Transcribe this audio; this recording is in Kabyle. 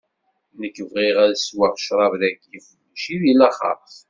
Nekk bɣiɣ ad sweɣ ccrab dagi, mačči deg laxeṛt.